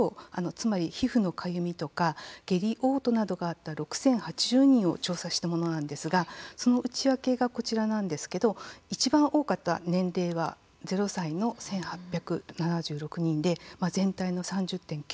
つまり皮膚のかゆみとか下痢、おう吐などがあった６０８０人を調査したものなんですがその内訳がこちらなんですけどいちばん多かった年齢は０歳の１８７６人で全体の３０．９％。